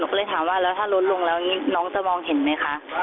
ก็เลยถามว่าแล้วถ้าลดลงแล้วน้องจะมองเห็นไหมคะ